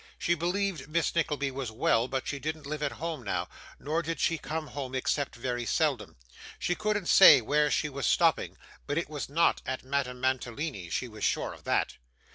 She believed Miss Nickleby was well, but she didn't live at home now, nor did she come home except very seldom. She couldn't say where she was stopping, but it was not at Madame Mantalini's. She was sure of that.